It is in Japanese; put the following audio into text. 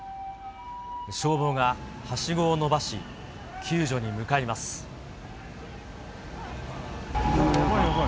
消防がはしごを伸ばし、救助に向やばい、やばい。